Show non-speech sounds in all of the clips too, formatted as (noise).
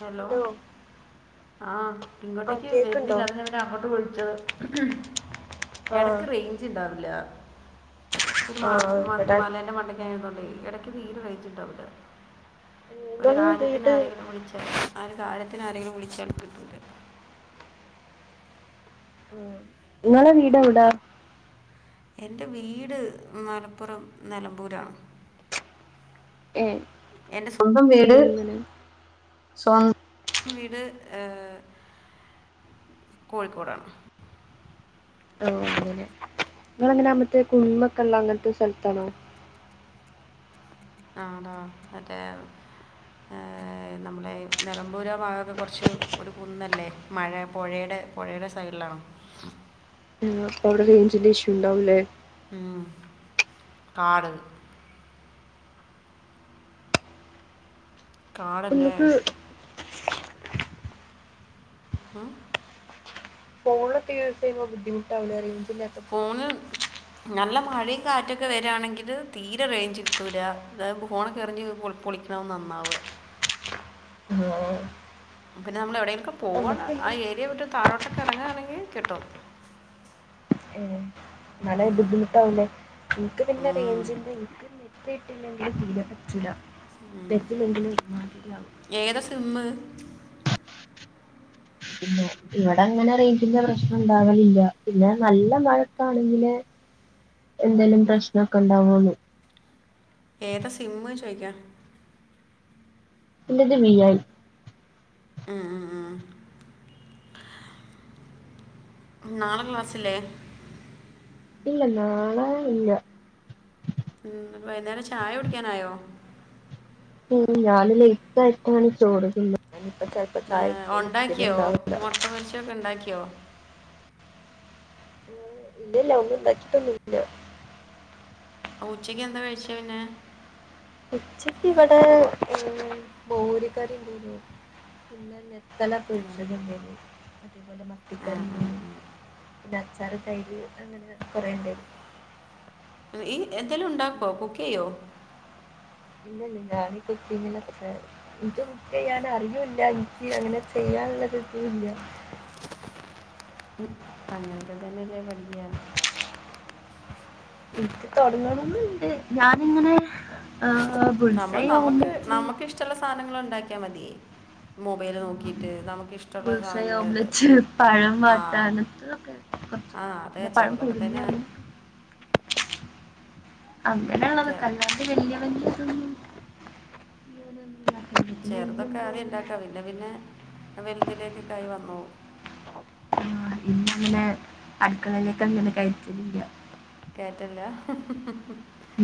Hello ആഹ് ആ ഇങ്ങോട്ടേക്ക് കേൾക്കുന്നുണ്ടോ വരുന്നില്ലഞ.. അങ്ങോട്ട് വിളിച്ചത് ആ എടക്ക് റേഞ്ച്ണ്ടാവില്ല. ഒരു ആ മ ഇവിടെ മലേന്റെ മണ്ടയ്ക്ക ആയതൊണ്ടേ ഇടക്ക് തീരെ റയിച്ചിണ്ടോവൂല.. ഒരു നിങ്ങളെ കാര്യത്തിന് വീട് ആരെങ്കിലും വിളിച്ചാൽ ആ ഒരു കാര്യത്തിന് ആരെങ്കിലും വിളിച്ചാൽ കിട്ടു ഇങ്ങളെ വീട് എവടാ? എൻ്റെ വീട് മലപ്പുറം നെലമ്പൂരാ. ഏഹ് എന്റെ സ്വന്തം വീട് സ്വന്തം വീട് ഏഹ് കോഴിക്കോടാണ്. ആഹ് അങ്ങനെ നിങ്ങളെ ങ്ങനെ ആ മത്തെ കുന്നൊക്കെള്ള അങ്ങനത്തെ സ്ഥലത്താണോ ആതോ മറ്റേ നമ്മളെ നിലമ്പൂര ഭാഗമൊക്കെ കുറച്ച് ഒരു കുന്നല്ലേ മഴ പുഴയുടെ പുഴയുടെ സൈഡിലാണോ അവിടെ ഫോണിൽ റേഞ്ച് ന്റെ ഇഷ്യു ഉണ്ടാവുംല്ലേ ഉം കാട് കാടല്ലേ നിങ്ങൾക്ക് ഉം ഫോണിലെ ബുദ്ധിമുട്ടാവില്ലേ ഇല്ലാത്തപ്പോ ഫോണ് നല്ല മഴയും കാറ്റൊക്കെ വരികയാണെങ്കിൽ തീരെ റേഞ്ച് കിട്ടൂല്ല അതായ ഫോണൊക്കെ എറിഞ് പുളി പൊളി അതാവും നന്നാവ ഉം പിന്നെ നമ്മൾ എവിടെയെങ്കിലും പോവാണ് ആ പിന്നെ ഏരിയൽട്ട് താഴോട്ടൊക്കെ ഇറങ്ങുകയാണെങ്കിൽ കിട്ടും. ഉം (unintelligible) നിക്ക് പിന്നെ ഉം. റേഞ്ച എനിക്ക് (unintelligible) നെറ്റില്ലെങ്കില് ഏതാ സിമ്മ്? (inaudible) ഇവിടെ അങ്ങനെ റേയിചിന്റെ പ്രശ്നം ഉണ്ടാവലില്ല പിന്നെ നല്ല മഴക്കാണെങ്കില്, എന്തേലും പ്രശ്നക്കെ ഉണ്ടാവു. ഏതാ സിമ്മ് ചോയിക്ക? ന്റെത് വി ഐ ഉം ഉം ഉം നാളെ ക്ലാസ്സിലെ? ഇല്ല നാളെ ഇല്ല. ഉം വൈന്നേരം ചായ കുടിക്കാനായോ? ഉം ഞാന് ലേറ്റ് ആയിട്ടാണ് ചോറ് തിന്നത് അപ്പൊ ചലപ്പോ ആ, ചായ ഉണ്ടാക്കിയോ കുടിക്കട്ടണ്ടാവൂല്ല. മുട്ട പൊരിച്ചയൊക്ക ണ്ടാക്കിയോ ഇല്ലല്ല ഒന്നുംണ്ടാക്കിട്ടൊന്നുല്ല. ഉച്ചക്ക് എന്താ കഴിച്ചേ പിന്നെ? ഉച്ചക്ക് ഇവിടെ ഉം മോര്കറിഉണ്ടായിരുന്നു പിന്നെ, ഇന്നലെ പൊരിച്ചത് ഉണ്ടെനി അതേപോലെ ആ, ആ. മത്തികറിയും. പിന്നെ അച്ചാറ് തൈര് അങ്ങനെ കൊറേ ഇണ്ടേനി. ഈ എന്തേലുംണ്ടാക്കോ കുക്കെ യ്യോ? ഇല്ല ഇല്ല ഞാനിപ്പോ (unintelligible) ഇങ്ങനെ എനിക്ക് കുക്കെയ്യാൻ അറിയൂല്ല എനിക്ക് അങ്ങനെ ചെയ്യാനുള്ള ഒരു ഇതു ഇല്ല. ഉം അങ്ങനൊക്കെ തന്നെയല്ലേ പഠിക്ക. എനിക്ക് തൊടങ്ങണോന്ന്ണ്ട് ഞാനിങ്ങനെ ആഹ് നമ്മള് ബുൾസൈ നമ്മക്ക് ഓംലെറ്റ് നമ്മുക്ക് ഇഷ്ടള്ള സാധനങ്ങൾ ഒണ്ടാക്കിയാ മതി. മൊബൈല് ആഹ് നോക്കിയിട്ട് നമുക്കി ഷ്ടമുള്ള ബുൾസൈ സാധനങ്ങള് ഓംലെറ്റ്, പഴം വാട്ടാ ആഹ് അങ്ങനത്തതൊക്കെ കൊറച്ചൊക്കെ ആഹ് അറിയാം. അതെ പിന്നെ പഴം ചെറുതൊക്കെ പുഴുങ്ങ തന്നാ. അങ്ങനെ അങ്ങനുള്ളതൊക്കെ ചെ- അല്ലാതെ വല്ല്യ വല്ല്യ ഇതൊന്നും ഉണ്ടാക്കലില്ല. പിന്നെ ചെറുതൊക്കെ എന്റെമ്മ ആദ്യ ഇങ്ങനെ ഉണ്ടാക്കാം പിന്നെ പിന്നെ വെലുതി ലേക്കൊക്കായി വന്നോളും ആഹ് ഇന്ന അങ്ങനെ അടുക്കളയിലേക്കൊന്നും കയ റ്റിയിട്ടില്ല കേറ്റല്ല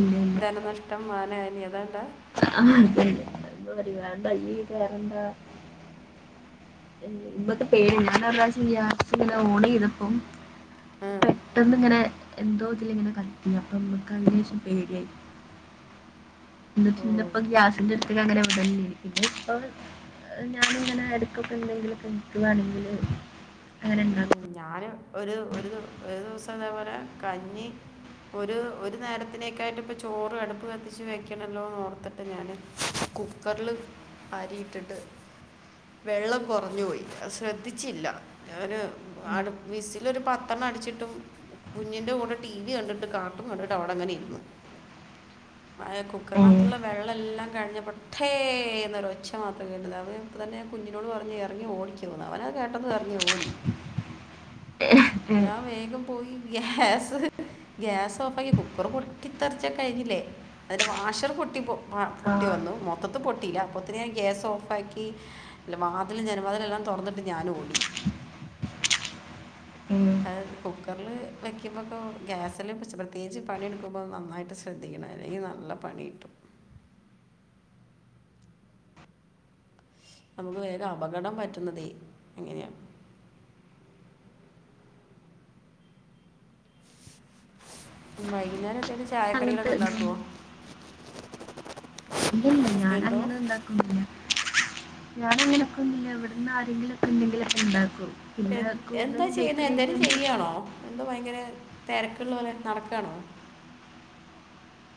ഇല്ല ധനനഷ്ടം മാനഹാനി അതാണ്ടാ ആഹ് പിന്നെന്ത പ്പ പറയ വേണ്ട യ്യീ കേറണ്ട മ്മക്ക് പേടി ഞാൻ ഒരുപ്രാവശ്യം ഗ്യാസ് ഇങ്ങന ഓൺ ചെയ്തപ്പം പെട്ടെന്ന് ഇങ്ങനെ എന്തോ ഇതില് ഇങ്ങനെ കത്തി അപ്പൊ മ്മക്ക് അതിന് ശേഷം പേടിയായി ഓ എന്നിട്ടിന്നിപ്പം ഇപ്പം ഗ്യാസിന്റെടുപ്പി അങ്ങനെ ഇടലിരിക്കുന്നു അപ്പൊ ഞാനിങ്ങനെ എടുക്കൊക്കെ എന്തെങ്കിലൊക്കെ എനിക്കു വേ ണോങ്കില് ഉം ഞാന് ഒരു ഒരു ദി ഒരു ദിവസം ഇതേപോലെ കഞ്ഞി ഒരു ഒരു നേരത്തിനേക്കായിട്ട് ഇപ്പ ചോറ് അടുപ്പ് കത്തിച്ചു വെക്കണല്ലോന്ന്‌ ഓർത്തിട്ട് ഞാന് കുക്കറില് അരി ഇട്ടിട്ട് വെള്ളം കൊറഞ്ഞോയി അത് ശ്രദ്ധിച്ചില്ല ഒരു ആണ് വിസില് ഒരു പത്തെണ്ണ അടിച്ചിട്ടും കുഞ്ഞിന്റെ കൂടെ ടി വി കണ്ടിട്ട് കാർട്ടൂൺ കണ്ടിട്ട് അവിടെ അങ്ങനെ ഇരുന്ന്‌ ഏഹ് കുക്കറിനകത്തുള്ള വെള്ളം എല്ലാം കഴിഞ്ഞപ്പൊ ട്ടേ എന്നൊരു ഒച്ച മാത്രം കേട്ട് ലത് അപ്പം തന്നെ ഞാൻ കുഞ്ഞിനോട് പറഞ്ഞ് എറങ്ങി ഓടിക്കോന്ന്‌ അവനത് കേട്ടതും എറങ്ങി ഓടി ഏഹ് ഞാൻ വേഗം പോയി ഗ്യാസ് ഗ്യാസ് ഓഫ് ആക്കി കുക്കറ് പൊട്ടിത്തെറിച്ച കഴിഞ്ഞില്ലേ അതിന്റെ വാഷർ പൊട്ടി പ ആ പൊട്ടി വന്നു മൊ മൊത്തത്തി പൊട്ടിയില്ല അപ്പത്തിന് ഗ്യാസ് ഓഫാക്കി വാതിലും ജനലെല്ലാം തൊറന്നിട്ട് ഞാൻ ഓടി ഉം ത് കുക്കറിൽ വയ്ക്കുമ്പൊക്ക ഗ്യാസിൽ പ്രത്യേകിച്ച് പണിയെടുക്കുമ്പോൾ നന്നായിട്ട് ശ്രദ്ധിക്കണം അല്ലെങ്കിൽ നല്ല പണികിട്ടും നമുക്ക് വേഗം അപകടം പറ്റുന്നതേ അങ്ങനെയാണ് വൈകുന്നേരം എന്തേലും ചായക്കടി അങ്ങനത്തെ കളൊക്കെ ഉണ്ടാക്കുവോ ഇതൊന്നും ഇല്ലില്ല ഞാൻ എന്തോ അങ്ങനെ ണ്ടാ ഉം ഞാനങ്ങനൊക്ക ഇല്ല ഇവിടന്ന് ആരെങ്കിലുംക്കെ ഉണ്ടെങ്കിൽ ഇണ്ടാക്കും എ എന്താ ചെയ്യുന്ന എന്തേലും ഒക്കെ ചെയ്യുവാണോ എന്തോ ഭയങ്കരെ തെരക്കുള്ളോ ലെ നടക്കാണോ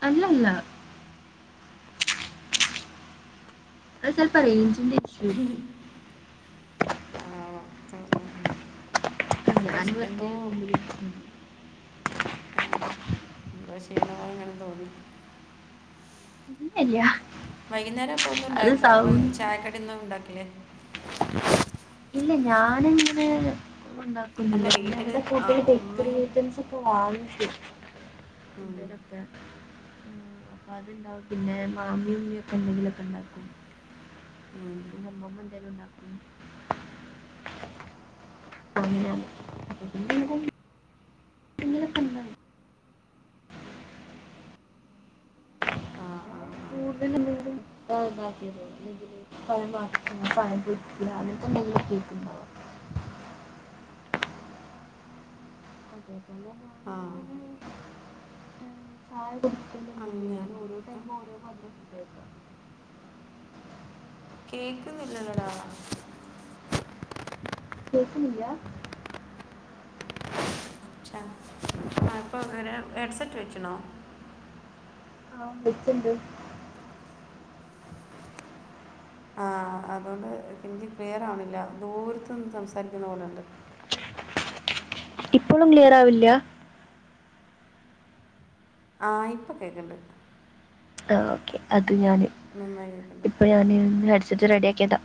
അല്ലല്ല അത് സ്വൽപ്പ റെയിഞ്ചിന്റെ ഉം ആഹ് ആഹ് ആഹ് ആഹ് ഞാൻ എന്തോചെ വെറുതെ എന്തോ റൂമിൽ ആഹ് എന്തോ ചെയ്യണമോ അങ്ങനെ തോന്നി പിന്നറിയ വൈകുന്നേരം അപ്പൊ ഒന്നും ഇണ്ടാക്ക ചായക്കടൊന്ന ഉണ്ടാക്കലേ ഇല്ല ഞാന ഇങ്ങനെ ഉണ്ടാക്കുന്നില്ല അല്ല പിന്നെ വീട്ടിൽ എങ്ങളടെ ആ കൂട്ടൽ ബേക്കറി ഉമ്മയും ഐറ്റംസ് ഉം, (unintelligible) അപ്പൊ അത്ണ്ടാവും പിന്നെ മാമി എന്തെങ്കിലുമൊക്കെ ഉണ്ടാക്കും ഉം. (unintelligible) അങ്ങനെ ങ്ങളൊക്കെ ണ്ടോ ആഹ് കൂടുതൽ എന്തെങ്കിലും പഴം വാട്ട പഴം പൊരിക്ക അങ്ങനത്തെ എന്തെങ്കിലും ഒക്കെ ഉണ്ടാക അതെ പോലെ ആഹ് ചായ കുടിക്കില്ല അങ്ങനെ ഞാൻ ഓരോ ഒരോ മദ്രസത്തേക്ക കേക്കുന്നില്ലെടാ കേക്കനില്യാ ആഹ് ആഹ് ഇപ്പോൾ വരാം ഹെഡ്സെറ്റ് വെക്കണോ ആഹ് വെച്ചുണ്ട് ആഹ് അതൊണ്ട് എനിക്ക് ക്ലിയർ ആവണില്ല ദൂരത്ത് നിന്ന് സംസാരിക്കുന്ന പോലെണ്ട് ഇപ്പോഴും ക്ലിയർ ആവില്ല ആഹ് ഇപ്പൊ കേക്കണ്ട് ആഹ് ഓക്കെ അത് ഞാൻ നന്നായി കേൾക്കുന്നുണ്ട് ഇപ്പം ഞാൻന്ന് ഹെഡ്സെറ്റ് റെഡി ആക്കിയതാ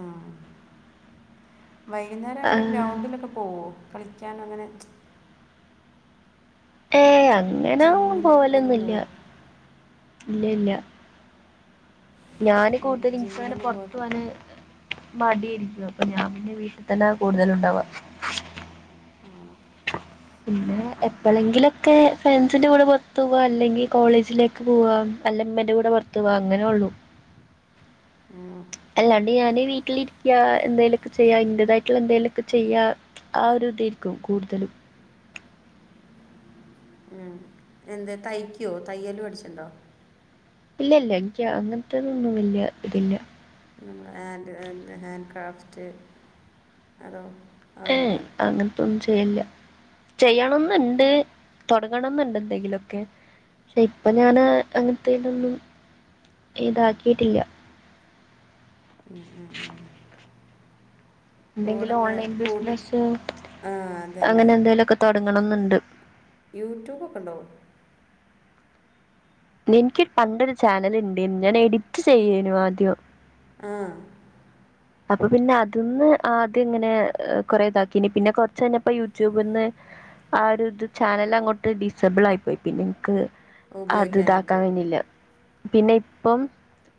ആഹ് വൈകുന്നേരം അങ്ങനെ ഗ്രൗണ്ടിലൊക്കെ പോകോ കളിക്കാനും അങ്ങനെ അങ്ങനാ ജിമ്മിൽ അങ്ങനെയൊക്കെ പോവലൊന്നില്ല പോവോ ഇല്ല ഇല്ല ഞാന് ഉം, കൂടുതൽ ഇൻസനെ ജിമ്മിലൊന്നും പോ പൊറത്തു പോന് മടിയിരിക്കും അപ്പൊ ഞാൻ പിന്നെ വീട്ടിൽ തന്നെ കൂടുതല ഉണ്ടാവാ ആഹ് പിന്നെ എപ്പോഴെങ്കിലു ക്കെ ഫ്രണ്ട്സിൻ്റെ കൂടെ പുറത്തു പോകുക അല്ലെങ്കിൽ കോളേജിലേക്ക് പോകുക അല്ലമ്മേൻ്റെ കൂടെ പുറത്ത് പോകുക അങ്ങനെ ഉള്ളൂ ഉം അല്ലാണ്ട് ഞാന് വീട്ടിലിരിക്ക എന്തേലുക്കെ ചെയ്യാ ഇന്റതായിട്ടുള്ള എന്തെലുമൊക്കെ ചെയ്യാ ആഹ് ഒരുതിക്കും കൂടുതലും ഉം എന്തേ തയ്ക്കോ തയ്യല് പടിച്ചിണ്ടോ ഇല്ല ഇല്ല എനക്ക് അങ്ങനത്തെതൊന്നും വല്യ ഇതില്ല നമ്മുടെ ഹൻഡ് ഹാൻഡ് ക്രാഫ്റ്റ് അതോ ഏ അതൊന്നുമില്ല എനക്ക് അങ്ങനത്തൊന്നും ചെയ്ല്ല ചെയ്യണംന്നുണ്ട് തൊടങ്ങണം എന്നുണ്ട് എന്തെങ്കിലുമൊക്കെ പക്ഷെ ഇപ്പൊ ഞാന് അങ്ങനത്തെ ഇതൊന്നും ഇതാക്കിട്ടില്ല ഉം ഉം എന്തെങ്കിലും കൂടെയുള്ള ഓൺലൈൻ കൂട്ടും ബിസിനസ്സ് ആ അതന്നെ അങ്ങനെ എന്തെലുക്കെ തുടങ്ങണോന്നുണ്ട് യൂട്യൂബോക്കെ ഉണ്ടോ എനിക്ക് പണ്ടൊരു ചാനൽ ഉണ്ട് ഞാൻ എഡിറ്റ് ചെയ്യനും ആദ്യം ആഹ് അപ്പൊ പിന്നെ അതിന്ന് ആദ്യം ഇങ്ങനെ കുറെ ഇതാക്കിനി പിന്നെ കൊറച്ച് കഴിഞ്ഞപ്പോ യൂട്യൂബിന്ന് ആഹ് ഒരു ഇത് ചാനൽ അങ്ങോട്ട് ഡിസബിൾ ആയി പോയി പിന്നെ എനിക്ക് അത് ഇതാക്കാൻ ഉപയോഗിക്കാനിട്ട് വന്നില്ല പിന്നെ ഇപ്പം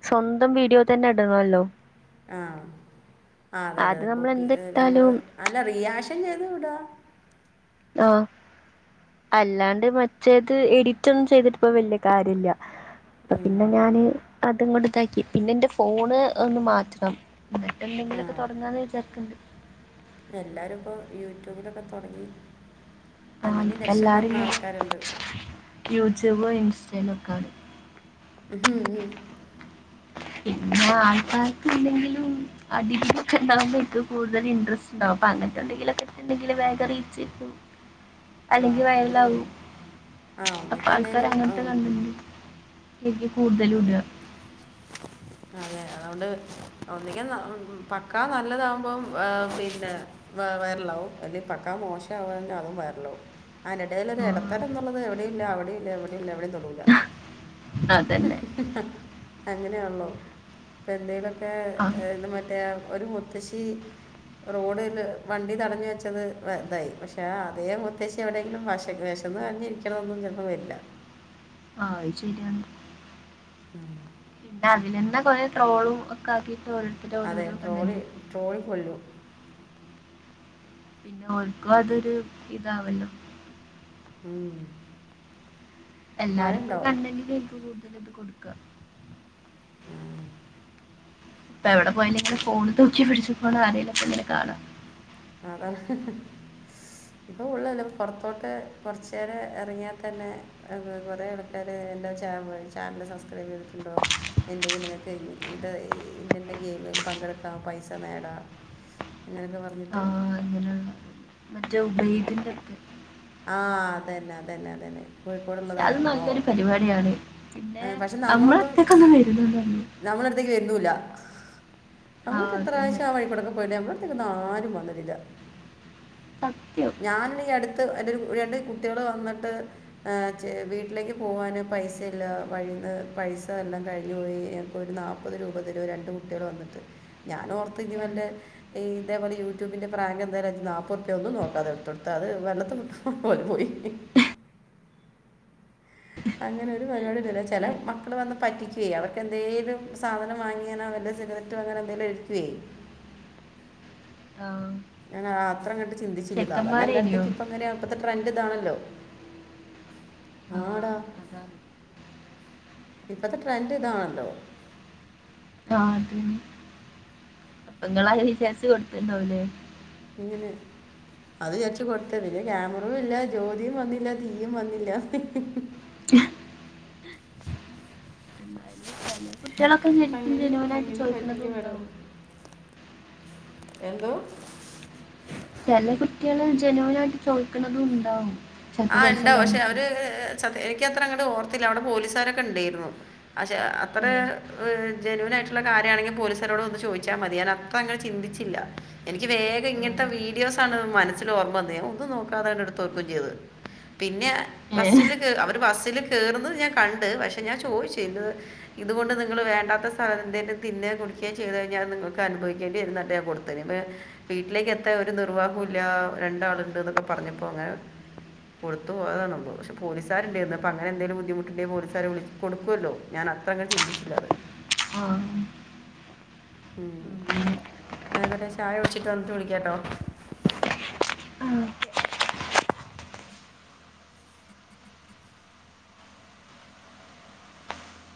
സ്വന്തം വീഡിയോ തന്നെ ഇടണോല്ലോ ആഹ് ആഹ് അതെ അതെ അത് അതെ നമ്മൾ കൂപ്പി നമ്മള് എന്തിട്ടാലും അല്ല റിയാക്ഷൻ ചെയ്ത് വിടുക ആഹ് അല്ലാണ്ട് മറ്റേത് എഡിറ്റ് ഒന്നും ചെയ്തിട്ടിപ്പ വല്യ കാര്യ ഇല്ല ഉം, പിന്നെ ഞാന് അതങ്ങോണ്ട് ഇതാക്കി പിന്നെ എന്റെ ഫോണ് ഒന്ന് മാറ്റണം എന്നിട്ട് എന്തെങ്കിലൊക്കെ തുടങ്ങാന്ന് വിചാരിക്കുണ്ട് എല്ലാരും ഇപ്പോ യൂട്യൂബിലൊക്കെ തൊടങ്ങി ആഹ് അങ്ങനെ ഇപ്പ രക്ഷപെടുന്ന ആൾക്കാരുണ്ട് യൂട്യൂബോ ഇൻസ്റ്റയിലൊ കാണ് ഹ് ഉം പിന്നെ ആൾക്കാർക്ക് ഇല്ലെങ്കിലും ആഹ് ഡിഗ്രി ഒക്കെണ്ടാവുമ്പോ എക്ക് കൂടുതൽ ഇൻറെസ്റ്റ് ഉണ്ടാവും അപ്പ അങ്ങനെത്തെന്തെങ്കിലുക്കെ ഉണ്ടെങ്കിൽ വേഗം റീച്ച് കിട്ടും (inaudible) അല്ലെങ്കി അത് ശരി വയറലാവും ആ അപ്പൊ ഒന്നിക്ക് ആൾക്കാര് എന്തേലും അങ്ങനത്തെ ഉം, കണ്ടന്റ് എനിക്ക് കൂടുതലും അതെ ഇട്കാ (inaudible) അതെ അതുകൊണ്ട് ഒന്നെങ്കിൽ പക്കാ നല്ലതാവുമ്പോം പിന്നെ വ വയറലാവും അല്ലെ പക്കാ മോശം ആവുവെങ്കിൽ അതും വയറലാവും ആതിനിടയില ഒരു ആ ഇടത്തരം എന്നുള്ളത് എവിടെയും ഇല്ല അവിടെ ഇല്ല എവിടെം ഇല്ല എവിടെയും തൊടൂല അതന്നെ അങ്ങനേള്ളോ ഇപ്പം എന്തെലൊക്കെ ആ ഇത് മറ്റ ഒരു മുത്തശ്ശി റോഡില് വണ്ടി തടഞ്ഞു വെച്ചത് ഇതായി പക്ഷെ അതേ മുത്തശി പക്ഷെ എവിടെയങ്കിലും വശ വിശന്ന്റിഞ്ഞിരിക്കണതൊന്നും ചിലപ്പോ വരില്ല ആഹ് അത് ശരിയാ പിന്നെ അതിന്നെന്താ കൊറവ് ട്രോളും ഒക്കെ ആക്കിയിട്ട്ണ്ട് അതെ ട്രോളി ട്രോളി കൊല്ലും പിന്നെ ഓർക്കും അതൊരു ഇതാവല്ലോ ഹും എല്ലാരും ഇപ്പോ കണ്ണല കേനിക്ക് കൂടുതൽ ഇത് കൊടുക്കുക ആ. അപ്പ എവിടെ പോയാലും ഇങ്ങനെ ഫോൺ തൂക്കി പിടിച്ച് പോണ ആരേലും ഒക്കെ ഇങ്ങനെ കാണും അതല്ല ഇപ്പൾ ഉള്ളല്ല പുൊറത്തോട്ട് കുറച്ച് നേേരം ഇറങ്ങിയാൽ തന്നെ കൊറെേ ആൾക്കാര് എന്റെ ചാനല് സബ്സ്ക്രൈബ് ചെയ്തിട്ടുണ്ടോ എന്റെങ്കും നിങ്ങക്ക് ഇത് ഇന്റെന്റെ ഗെയിമിൽ പങ്കെടുക്കാം പൈസ നേടാം അങ്ങനെയൊക്കെ പറഞ്ഞിട്ട് മറ്റ് അ ബൈതിന്ന്ർക്ക ആഹ് അതന്നെ അതന്നെ അതന്നെ പക്ഷെ അത് കോഴിക്കോടുള്ളതാണല്ലോ നല്ലൊരു പരിപാടിയാണ് ആ, പിന്നെ നമ്മളത്തേക്കന്നും വരുന്നന്ന് പറഞ്ഞു നമ്മള അട്ത്തേക്ക് വരുന്നുല്ല ആ നമ്മൾക്ക് എത്ര അതന്നെ പ്രാവശ്യം ആ വഴിക്കുടക്ക പോയിട്ടേ നമ്മൾ ആരും വന്നിട്ടില്ല സത്യം ഞാനന്നേ ഈ അടുത്ത് എന്റെ ഒരു രണ്ട് കുട്ട്യാള് വന്ന്ട്ട് ആഹ് വീട്ടിലേക്ക് പോവ്വാന് പൈസ ഇല്ലാ വഴീന്ന് പൈസ എല്ലാം കഴിഞ്ഞു പോയി അപ്പൊ ഒരു നാ പ്പത് രൂപ രണ്ട് കുട്ട്യാള് വന്ന്ട്ട് ഞാൻ ഓർത്ത് ഇനി ഉം. വല്ല ഈ തേ പോലെ യൂട്യൂബിന്റെ പ്രാങ്ക് എന്താലെ നാപ്പറുപ്പിയൊന്നും നോക്കതെ എടുത്തടുത്ത് അത് വെള്ള ഓല് പോയി. അങ്ങനെ ഒരു പരിപാടിയന്നില്ല ചേല മക്കള് വന്ന് പറ്റിക്കുയ് അവർക്ക് എന്തേലും സാധനം വാങ്ങിയാനാ വല്ല ചിലവ് റ്റ് അങ്ങനെ എന്തേലോര്ക്ക്യ്. ആഹ്. ഞാൻ ആ അത്ര അങ്ങോട്ട് ചന്തിച്ചില്ല സാധാരണ ഇനിയോ എല്ലാട്ത്തേക്കും ഇപ്പൊ ങ്ങനെയാ ഇപ്പത്തെ ട്രെൻഡ് ഇതാണല്ലോ ആ ആടാ. അതാണ് ഇപ്പത്തെ ട്രെന്റ് ഇതാണല്ലോ. ആഹ് അതെന്നേ അപ്പങ്ങളാത് വിചാര്ച്ചു കൊടുത്ത്ണ്ടാവൂല്ലേ. എങ്ങനെ? അത് വിചാര്ച്ചു കൊട്ത്തു പിന്നെ ക്യാമറും ഇല്ല ജ്യോതിയും വന്നില്ലാ തീയും വന്നില്ലാ. ചെലേ കുട്ട്യാളൊക്കെ ശരിക്കും അങ്ങനെയും ജനുവനായിട്ട് അങ്ങനെയും ചോദിക്കുന്നത് ഉണ്ടാവും. എന്തൊ? ചെലേ കുട്ട്യാള് ജനുവിനായിട്ട് ചോദിക്ക്ണതും ഉണ്ടാവും. ചിലപ്പോ ആഹ് പൈസ ണ്ടോ പക്ഷെ ഇല്ലാഞ്ഞിട്ട് ഒര് സത്യ എനിക്ക്ത്ര അങ്ങട് ഓർത്തില്ല അവടെ പോലീസ് രൊക്കെ ണ്ടേയിരുന്നു. പക്ഷെ അത്ര ഏ ജെനുവിനാ ആയിട്ട്ള്ള കാര്യാണെങ്കി പോലീസാരോട് ഒന്ന് ചോദിച്ചാ മതി ഞ പ്പങ്ങനേ ചിന്തിച്ചില്ലാ. എനിക്ക് വേഗം ആ ഇങ്ങൻത്തെ വീഡിയോസ് ആണ് മനസ്സില് ഓർമ വന്നേ ഒന്നും നോക്കാതേങ്ങട് എടുതൊട്ക്കും ചെയ്ത്. പിന്നെ ഏ ബസ്സില് കേ അവര് ബസ്സില് കേറുന്നത് ഞാൻ കണ്ട് പക്ഷെ ഞാൻ ചോയ്ച് എന്ത്‌ ഇതുകൊണ്ട് നിങ്ങള് വോണ്ടാത്ത സാധന (unintelligible) തിന്നേ കുടിക്കേ ചെയ്തു കഴിഞ്ഞാ നിങ്ങൾക്ക് അനുഭവിക്കേണ്ടി വരും ന്നർഞ്ട്ടാ ഞാൻ കൊടു (unintelligible) വീട്ടിലേക്ക് എത്താ ഒരു നിർവാഹുല്ലാ രണ്ടാള്ണ്ട് ന്നൊക്കെ പർഞ്ഞപ്പൊ അങ്ങനെ കൊടുത്തു പക്ഷെ പോലീസാര്ണ്ടായിന്ന് അപ്പൊ അങ്ങനെന്തേലും ബദ്ധിമുട്ടുണ്ടങ്കി പോലീസാരേ വിളിച് കൊടുക്കുല്ലോ. ഞാന അത്രങ്ങട് ചിന്തിച്ചില്ല അത്. ഹാ ഉം, എന്നായ്ക്കോട്ടേ ചായ കുടിച്ചിട്ട് വന്നിട്ട് വിളിക്കാട്ടോ. ആ